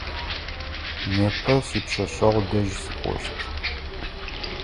Непэ сипшъэшъэгъу дэжь сыкӏощт.